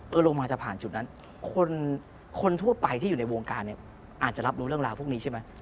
ลงมาจะผ่านจุดนั้นคนทั่วไปที่อยู่ในวงการเนี่ยอาจจะรับรู้เรื่องราวพวกนี้ใช่ไหม